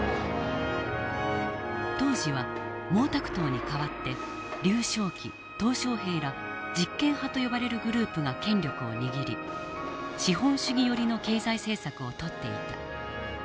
当時は毛沢東に代わって劉少奇小平ら実権派と呼ばれるグループが権力を握り資本主義寄りの経済政策をとっていた。